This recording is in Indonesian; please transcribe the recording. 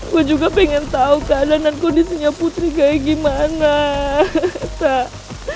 gue juga pengen tau keadaan kondisinya putri kayak gimana kak